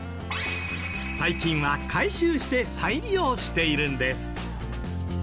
最近は回収して再利用しているんです。